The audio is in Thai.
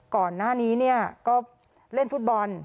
ก่อนหน้านี้เนี่ยก็เล่นฟุตบอล